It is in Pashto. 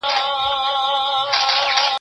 زه بايد ږغ واورم؟